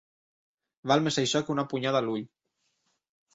Val més això que una punyada a l'ull.